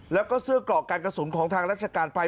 แล้วก็เสื้อกรอกการกระสุนของทางราชการไป